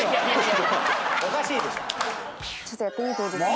「ちょっとやってみていいですか」